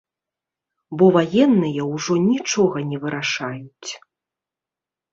Бо ваенныя ўжо нічога не вырашаюць.